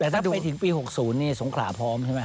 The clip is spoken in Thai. แต่ถ้าไปถึงปี๖๐สงขราพพร้อมใช่ไหม